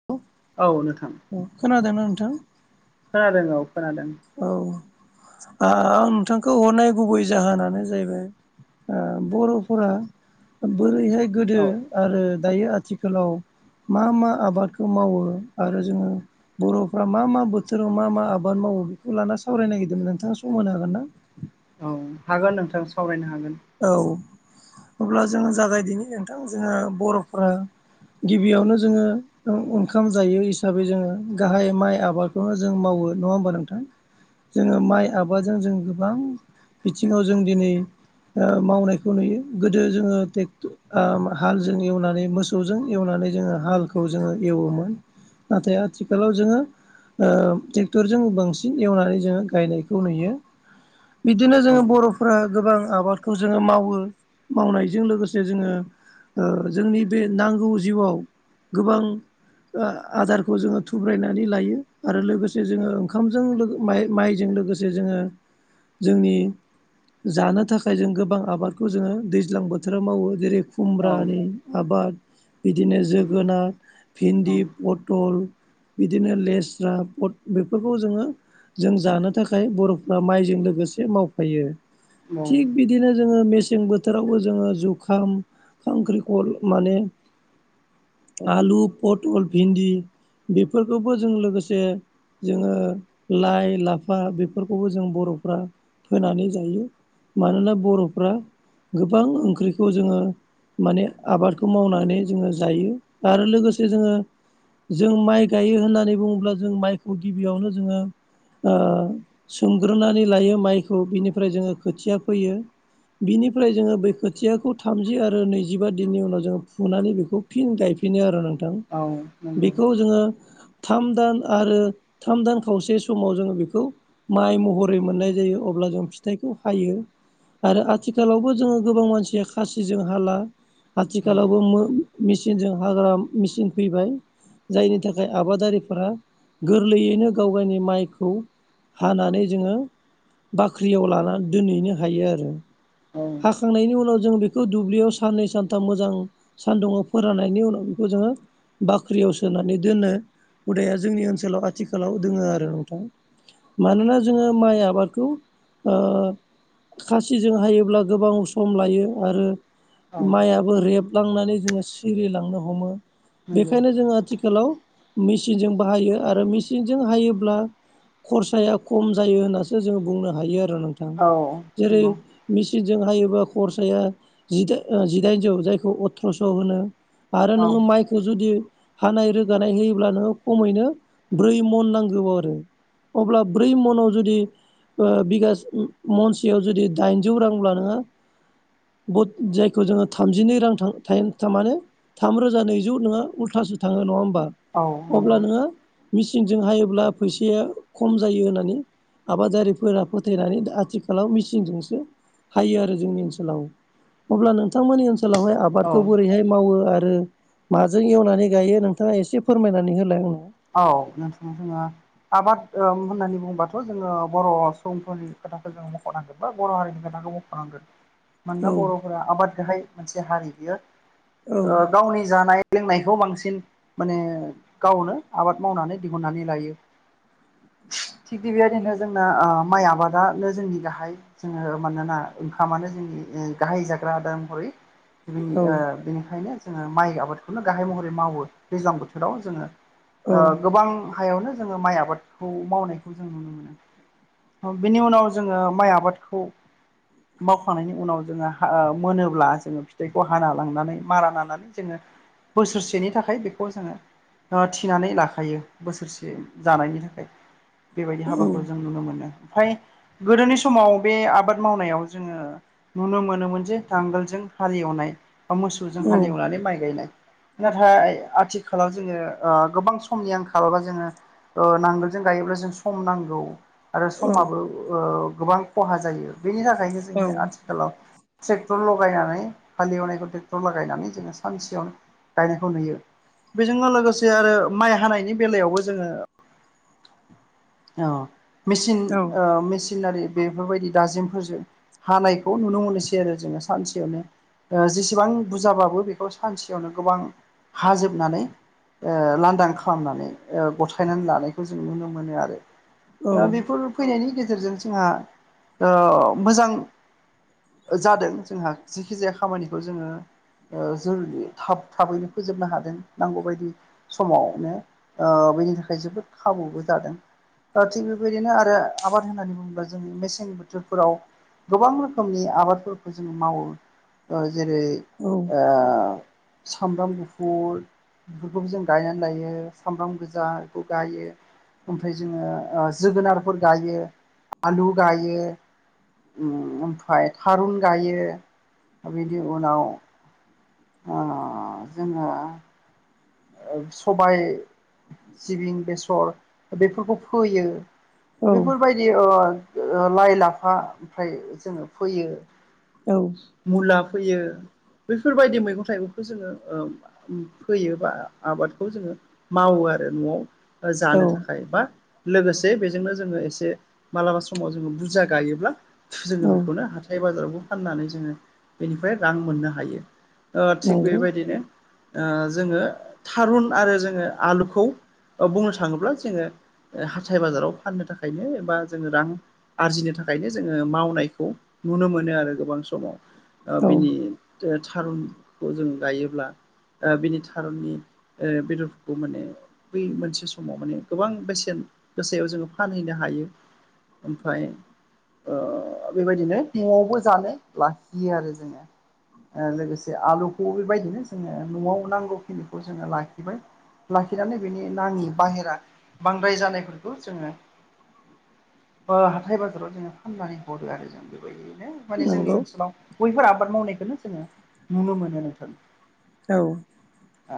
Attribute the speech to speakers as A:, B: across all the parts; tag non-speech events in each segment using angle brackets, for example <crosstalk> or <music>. A: <unintelligible>
B: औ नोंथां
A: औ खोनादोंना नोंथां?
B: खोनादों औ खोनादों
A: औ आं नोंथांखौ हरनाय गुबै जाहोनानो जाहैबाय ओ बर'फोरा बोरैहाय गोदो
B: औ
A: आरो दायो आथिखालाव मा मा आबादखौ मावो आरो जोंङो। बर'फ्रा मा मा बोथोराव मा मा आबाद मावो बेखौ लाना सावरायनो नागिरदोंमोन नोंथाङा सम होनो हागोन ना?
B: औ हागोन नोंथां सावरायनो हागोन।
A: औ अब्ला जों जागायदिनि नोंथां जोङो बर'फोरा गिबियावनो जोंङो। ओंखाम जायो हिसाबै जोङो गाहाय माइ आबादखौनो जों मावो नङा होमबा नोंथां। जोंङो माइ आबादजों जों गोबां बिथिङाव जों दिनै ओ मावनायखौ नुयो गोदो जोंङो टेक्ट हालजों एवनानै मोसौ खौजों एवनानै जोङो हालखौ जोङो एवोमोन नाथाय आथिखालाव जोंङो ओ ट्रेक्टरजों बांसिन एवनानै जोंङो गायनायखौ नुयो। बिदिनो
B: औ
A: जोंङो बर'फोरा गोबां आबाद खौ जोङो मावो मावनायजों लोगोसे जोंङो ओ जोंनि बे नांगौ जिउआव गोबां ओ आदारखौ जोंङो थुब्रायनानै लायो आरो लोगोसे जोङो ओंखामजों लो माइ माइजों लोगोसे जे जोंङो जोंनि जानो थाखाय जों गोबां आबादखौ जोङो दैज्लां बोथोराव मावो जेरै
B: औ
A: खुमब्रानि आबाद बिदिनो जोगोनार
B: औ
A: भिन्दि पटल बिदिनो लेस्रा पट बेफोरखौ जोंङो जों जानो थाखाय बर'फ्रा माइजों लोगोसे मावफायो थिग
B: औ
A: बिदिनो जोंङो मेसें बोथोरावबो जोङो जुखाम खांख्रिखल माने आलु पटल भिन्दि बेफोरखौबो जों लोगोसे जोंङो लाइ लाफा बेफोरखौबो जों बर'फ्रा फोनानै जायो। मानोना बर'फ्रा गोबां ओंख्रिखौ जोंङो माने आबादखौ मावनानै जोंङो जायो आरो लोगोसे जोंङो। जों माइ गायो होननानै बुङोब्ला जों माइखौ गिबियावनो जोंङो। ओ सोमग्रोनानै लायो माइखौ बिनिफ्राय जोंङो खोथिया फैयो। बिनिफ्राय जोंङो बैखोथियाखौ थामजि आरो नैजिबा दिननि उनाव जोंङो फुनानै बेखौ। फिन गायफिनो आरो नोंथां
B: औ नंगौ
A: बेखौ जोंङो। थाम दान आरो थाम दान खावसे समाव जों बेखौ माइ महरै मोननाय जायो अब्ला जों फिथाइखौ हायो आरो आथिखालावबो जोंङो गोबां मानसिया खासिजों हाला
B: औ
A: आथिखालावबो मो मेचिनजों हाग्रा मेचिन फैबाय जायनि थाखाय आबादारिफोरा गोरलैयैनो गावगावयनि माइखौ हानानै जोंङो बाख्रियाव लानानै दोनहैनो हायो आरो
B: औ
A: जाखांनायनि उनाव जों बेखौ दुब्लियाव साननै सानथाम मोजां सान्दुङाव फोराननायनि उनाव बेखौ जोङो बाख्रियाव सोनानै दोनो हुदाया जोंनि ओनसोलाव आथिखालाव दोङो आरो नोंथां। मानोना जोङो माइ आबादखौ ओ खासिजों हायोब्ला गोबां सम लायो आरो
B: औ
A: माय आबाद रेबलांनानै जोङो सिरिलांनो हमो
B: नंगौ
A: बेखायनो जोंङो आथिखालाव मेचिनजों बाहायो आरो मेचिनजों हायोब्ला खरसाया खम जायो होननासो जोङो बुंनो हायो आरो नोंथां
B: औ नंगौ
A: दि जों हायोबा खरसाया जिदाइन जिदायनजौ जायखौ अथ्रस' होनो। आरो
B: औ
A: नोङो माइखौ खौ जुदि हानाय रोगानाय होयोब्ला नोङो खमैनो ब्रै मन नांगौब आरो अब्ला ब्रै मनाव जुदि ओ बिगा महनसेयाव जुदि दाइनजौ रां अब्ला नोङो गथ जायखौ जोङो थामजिनै रां थां थाया मानो थामरोजा नैजौ नोङो उल्थासो थाङो नङा होमबा
B: औ
A: अब्ला
B: नंगौ
A: नोङो मेचिनजों हायोब्ला फैसाया खम जायो होननानै आबादारिफोरा फोथायनानै आथिखालाव मेचिनजोंसो हायो आरो जोंनि ओनसोलाव अब्ला नोंथांमोननि ओनसोलावहाय
B: औ
A: आबादखौ बोरैहाय मावो आरो माजों एवनानै गायो नोंथाङा एसे फोरमायनानै होलाय आंनो।
B: औ नोंथां जोंहा आबाद होननानै बुङोबाथ' जोङो बर' सुबुंफोरनि खोथाखौ जोङो मख'नांगोन बर' हारिनि खोनथाखौ मख'नांगोन
A: औ
B: मानोना बर'फोरा आबाद गाहाय मोनसे हारि बियो
A: औ
B: ओ गावनि जानाय लोंनायखौ बांसिन माने गावनो आबाद मावनानै दिहुननानै लायो। थिग बेबायदिनो जोंना ओ माइ आबादानो जोंनि गाहाय जोङो मानोना ओंखामानो जोंनिओ गाहाय जाग्रा आदार महरै नि
A: औ
B: ओ बेनिखायनो जोङो माइ आबादखौनो गाहाय महरै मावो दैज्लां बोथोराव जोङो।
A: औ
B: ओ गोबां हायावनो जोङो माइ आबादखौ मावनायखौ जों नुनो मोनो। ओ बिनि उनाव जोङो माइ आबादखौ मावखांनायनि उनाव जोङो हा मोनोब्ला जोङो फिथाइखौ हाना लांनानै मारा नानानै जोङो बोसोरसेनि थाखाय बेखौ जोङो ओ थि थिनानै लाखायो बोसोरसे जानायनि थाखाय बेबायदि हाबाखौ जों नुनो मोनो ओमफ्राय गोदोनि समाव बे आबाद मावनायाव जोङो नुनो मोनोमोन जे नांगोलजों हालेवनाय बा मोसौजों
A: औ
B: हालेवनानै माइ गायनाय नाथाय आथिखालाव जोङो ओ गोबां समनि आंखाल बा जोङो नांगोलजों गायोब्ला जों सम नांगौ। आरो समाबो ओ गोबां खहा जायो बेनि थाखायनो
A: औ
B: जोङो आथिखा आथिखालाव ट्रेक्टर लागायनानै हालेवनायखौ ट्रेक्टर लागायनानै जोङो सानसेयावनो गायनायखौ नुयो बेजोंनो लोगोसे आरो माइ हानायनि बेलायावबो जोङो औ मेसिन ओ मेसिनारि बेफोरबायदि दाजेमफोरजों हानायखौ नुनो मोनोसै आरो जोङो सानसेयावनो ओ जेसेबां बुरजाबाबो बेखौ सानसेयावनो गोबां हाजोबनानै ओ लांदां खालामनानै ओ गथायनानै लानायखौ जों नुनो मोनो आरो दा बेफोर फैनायनि गेजेरजों जोंहा ओ मोजां जादों जोंहा जेखि जाया खामानिखौ जोङो ओ जोलदि थाब थाबैनो फोजोबनो हादों नांगौबायदि समावनो ओ बैनि थाखाय जोबोद खाबुबो जादों दा थिग बेबायदिनो आरो आबाद होननानै बुङोब्ला जोंनि मेसें बोथोरफोराव गोबां रोखोमनि आबादफोरखौ जोङो मावो ओ जेरै
A: औ
B: ओ सामब्राम गुफुर बेफोरखौबो जों गायनानै लायो सामब्राम गोजा बेखौ गायो। ओमफ्राय जोंङो जोगोनारफोर गायो आलु गायो। ओम ओमफफ्राय थारुन गायो बिनि उनाव <unintelligible> जोंङो सबाय सिबिं बेसर बेफोरखौ फोयो।
A: औ
B: बेफोरबायदि लाइ लाफा ओमफ्राय जोंङो फैयो।
A: औ
B: मुला फोयो बेफोरबायदि मैगं थाइगंखौ जोंङो ओ फोयो बा आबादखौ जोंङो मावो आरो न'आव ओ जानो
A: औ
B: थाखाय बा लोगोसे बेजोंनो जोंङो एसे मालाबा समाव जोंङो बुरजा गायोब्ला जोंङो
A: औ
B: बेखौनो हाथार हाइ बाजारावबो फाननानै जोंङो बेनिफ्राय रां मोननो हायो। ओ थिग
A: नंगौ
B: बेबायदिनो ओ जोङो थारुन आरो जोंङो आलुखौ बुंनो थाङोब्ला जोंङो ओ हाथाय बाजाराव फाननो थाखायनो एबा जोङो रां आरजिनो थाखायनो जोंङो मावनायखौ नुनो मोनो आरो गोबां समाव। ओ
A: औ
B: बिनि थारुनखौ जों गायोब्ला बिनि थारुननि ओ बेदरफोरखौ माने बै मोनसे समाव माने गोबां बेसेन गोसायाव जोंङो फानहैनो हायो। ओमफ्राय ओ बेबायदिनो न'आवबो जानो लाखियो आरो जोंङो। ओ लोगोसे आलुखौ बेबायदिनो जोंङो न'आव नांगौखिनिखौ जोंङो लाखिबाय लाखिनानै बिनि नाङि बाहेरा बांद्राय जानायफोरखौ जोंङो ओ हाथाय बाजाराव जोंङो फाननानै हरदो आरो जों बे ओरैनो माने जोंनि
A: नंगौ
B: ओनसोलाव बैफोर आबाद मावनायखौनो जोंङो नुनो मोनो नोंथां।
A: औ
B: अ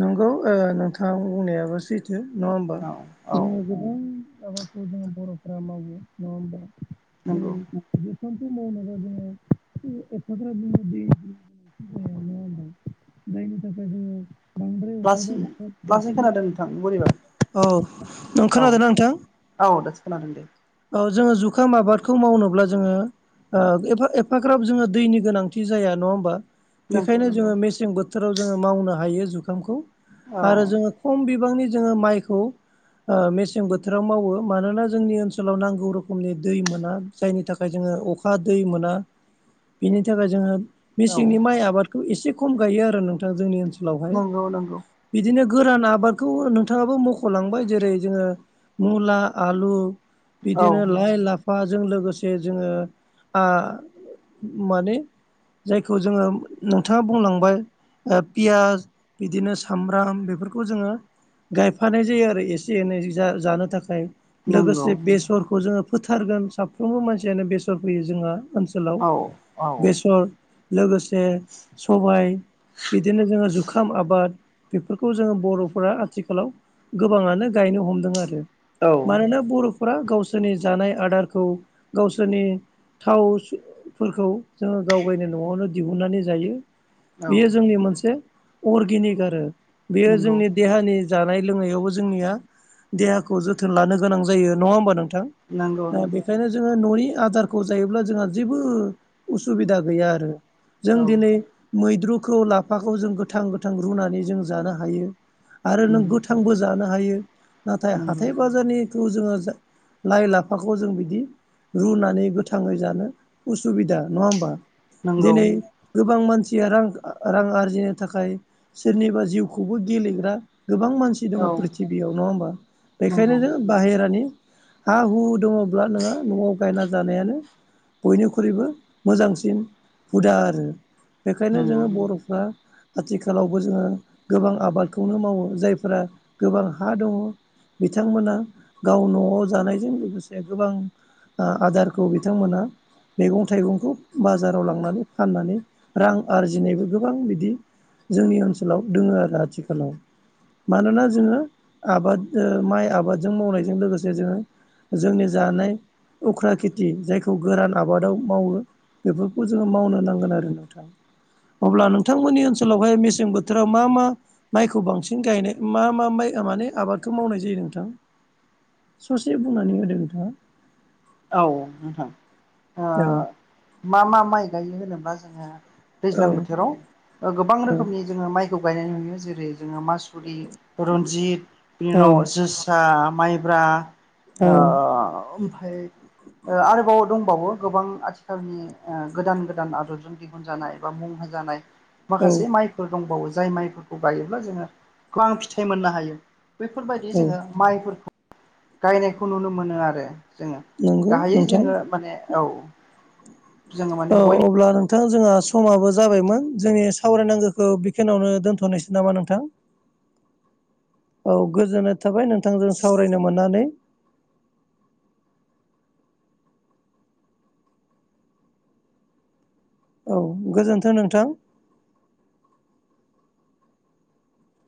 A: नंगौ ओ नोंथाङ बुंनायाबो सैथो नङा होमबा
B: औ औ
A: गोदान आाबादखौ जों बर'फ्रा मावो नङा होमबा जेरै
B: नंगौ
A: जुखामखौ मावनोबा जोंङो एफाग्राब जोङो दि <unintelligible> जायनि थाखाय जोंङो
B: लासै लासै खोनादों नोंथां बोरैबा
A: <unintelligible> औ नों
B: औ
A: खोनादों नोंथां?
B: औ दसखोन दों दे।
A: औ जोंङो जुखाम आबादखौ मावनोब्ला जोंङो ओ एफा एफाग्राब जोंङो दैनि गोनांथि जाया नङा होमबा
B: नंगौ
A: बेखायनो
B: नंगौ
A: जोंङो मेसें बोथोराव जोंङो मावनो हायो। जुखामखौ
B: औ
A: आरो जोंङो खम बिबांनि जोंङो माइखौ ओ मेसें बोथोराव मावो मानोना जोंनि ओनसोलाव नांगौ रोखोमनि दै मोना। जायनि थाखाय जोंङो अखा दै मोना बिनि थाखाय जोंङो
B: औ
A: मेसेंनि माइ आबादखौ एसे खम गायो आरो नोंथाङा जोंनि ओनसोलावहाय
B: औ नांगौ।
A: बिदिनो गोरान आबादखौ नोंथाङाबो मख'लांबाय जेरै जोंङो मुला आलु
B: औ
A: बिदिनो लाइ लाफ बा जों लोगोसे जोंङो आ माने जायखौ जोंङो नोंथाङा बुंलांबाय ओ पियास बिदिनो सामब्राम बेफोरखौ जोंङो गायफानाय जायो आरो एसे एनै जा जानो थाखाय
B: नंगौ
A: लोगोसे बेसरखौ जोंङो फोथारगोन साफ्रोमबो मानसियानो बेसर फैयो जोंहा ओनसोलाव
B: औ औ
A: बेसर लोगोसे बे सबाय बिदिनो जोंङो जु आबाद बेफोरखौ जोंङो बर'फोरा आथिखालाव गोबाङानो गायनो हमदों आरो
B: औ
A: मानोना बर'फोरा गावसोरनि जानाय आदारखौ गावसोरनि थाव सो फोरखौ जोङो गाव गायनो न'आवनो दिहुननानै जायो।
B: नंगौ
A: बेयो जोंनि मोनसे उरगिनिक आरो बेयो
B: नंगौ
A: जोंनि देहानि जानाय लोंनायावबो जोंनिया देहाखौ जोथोन लानो गोनां जायो नङा होमबा नोंथां?
B: नंगौ
A: दा बेखायनो जो जोङो न'नि आदारखौ जायोब्ला जोंहा जेबो उसुबिदा गैया आरो। जों
B: औ
A: दिनै मैद्रुखौ लाफाखौ जों गोथ थां गोथां रुनानै जों जानो हायो। आरो नों
B: नंगौ
A: गोथांबो जानो हायो। नाथाय हाथाय बाजारनिथ' जोङो जा लाइ लाफाखौ जों बिदि रुनानै गोथाङै जानो उसुबिदा नङा होमबा?
B: नंगौ
A: दिनै गोबां मानसिया रां रां आरजिनो थाखाय सोरनिबा जिउखौबो गेलेग्रा गोबां मानस सि दङ
B: औ
A: प्रिथिबियाव नङा होमबा? बेखायनो
B: नंगौ
A: जोंङो बाहेरानि हा हु दङब्ला नोंहा न'आव गायना जानायानो बयनिख्रुइबो मोजांसिन हुदा आरो। बेखायनो
B: नंगौ
A: जोङो बर'फ्रा आथिखालावबो जोङो गोबां आबादखौनो मावो। जायफोरा गोबां हा दङ। बिथांमोना गाव न'आव जानायजों लोगोसे गोबां आ आदारखौ बिथांमोना मैगं थाइगंखौ बाजाराव लांनानै फाननानै रां आरजिनायबो गोबां बिदि जोंनि ओनसोलाव दोङो आरो आथिखालाव। मानोना जोङो आबाद ओ माइ आबादजों मावनायजों लोगोसे जोङो। जोंनि जानाय उख्रा खेथि जायखौ गोरान आबादाव मावो। बेफोरखौ जोङो मावनो नांगोन आरो नोंथां। अब्ला नोंथांमोननि ओनस सोलावहाय मेसें बोथोराव मा मा माइखौ बांसिन गायनाय मा मा माइया माने आबादखौ मावनाय जायो नोंथां? ससे बुंनानै होदो नोंथाङा।
B: औ नोंथां ओ
A: औ
B: मा मा माइ गायो होनोब्ला जोङो। दैज्लां
A: औ
B: बोथोराव ओ गोबां रोखोमनि जोङो माइखौ गायनाय नुयो। जेरै जोङो मास फुदि, रन्जित बिनि
A: औ
B: उनाव जोसा, माइब्रा
A: औ
B: ओ ओमफाय ओ आरोबाव दंबावो गोबां आथिखालनि ओ गोदान गोदान आदबजों दिहुन जानाय बा मुं होजानाय।
A: औ
B: माखासे माइफोर दंबावो जाय माइफोरखौ गायोब्ला जोङो गोबां फिथाइ मोननो हायो। बैफोरबायदि
A: औ
B: जोङो माइफोरखौ गायनायखौ नुनो मोनो आरो जोङो।
A: नंगौ
B: गाहायै
A: नोंथां
B: जोङो माने औ जोङो माने
A: औ
B: बयबो
A: अब्ला नों थां जोंहा समाबो जाबायमोन जोंनि सावराय नांगोखौ बेखिनियावनो दोनथ'नोसै नामा नोंथां? औ गोजोननाय थाबाय नोंथांजों सावरायनो मोननानै। औ गोजोन्थों नोंथां।